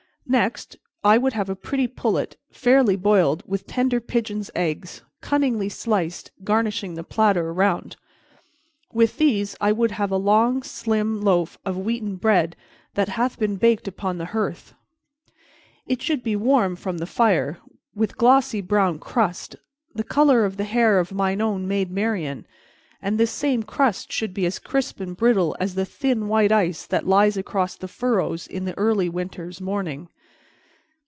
Next, I would have a pretty pullet, fairly boiled, with tender pigeons' eggs, cunningly sliced, garnishing the platter around. With these I would have a long, slim loaf of wheaten bread that hath been baked upon the hearth; it should be warm from the fire, with glossy brown crust, the color of the hair of mine own Maid Marian, and this same crust should be as crisp and brittle as the thin white ice that lies across the furrows in the early winter's morning.